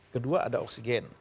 kedua ada oksigen